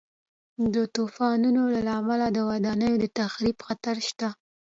د طوفانونو له امله د ودانیو د تخریب خطر شته.